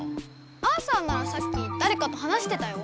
アーサーならさっきだれかと話してたよ。